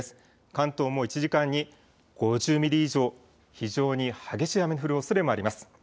関東も１時間に５０ミリ以上、非常に激しい雨の降るおそれもあります。